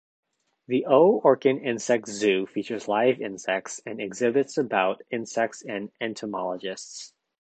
The O. Orkin Insect Zoo features live insects and exhibits about insects and entomologists.